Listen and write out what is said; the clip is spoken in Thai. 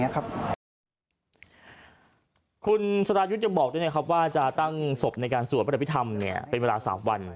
คุณสรายุทธ์ยังบอกด้วยนะครับว่าจะตั้งศพในการสวดพระอภิษฐรรมเป็นเวลา๓วัน